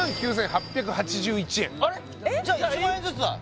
じゃあ１万円ずつだ！